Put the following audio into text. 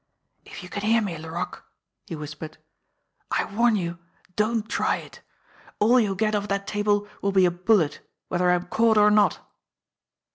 "If you can hear me, Laroque," he whispered, "I warn y 0U don't try it ! All you'll get off that table will be a bul let, whether I'm caught or not